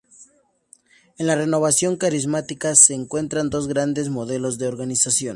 En la renovación carismática se encuentran dos grandes modelos de organización.